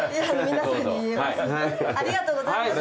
ありがとうございます。